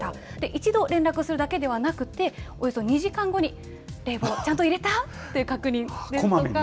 一度連絡するだけではなくて、およそ２時間後に冷房ちゃんと入れた？って確認するとか。